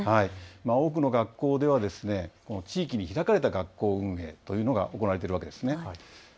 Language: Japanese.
多くの学校では地域に開かれた学校運営というのが行われているわけです。